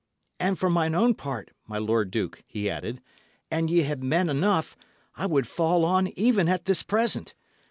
"And for mine own part, my lord duke," he added, "an ye had men enough, I would fall on even at this present.